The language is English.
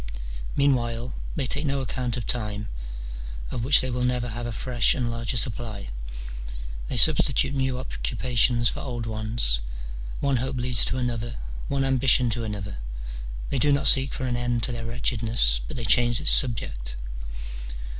Meanwhile they take no account of time, of which they will never have a fresh and larger supply : they substitute new occupations for old ones, one hope leads to another, one ambition to another : they do not seek for an end to their wretchedness, but they change its subject.